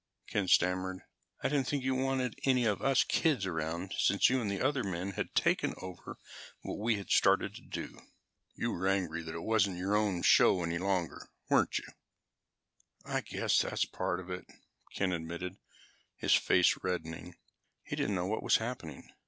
Ken stammered. "I didn't think you wanted any of us kids around since you and the other men had taken over what we had started to do." "You were angry that it wasn't your own show any longer, weren't you?" "I guess that's part of it," Ken admitted, his face reddening. He didn't know what was happening.